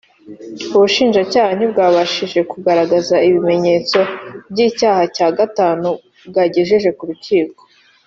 ubushinjacyaha ntibwabashije kugaragaza ibimenyetso by’icyaha cya gatanu bwagejeje mu rukiko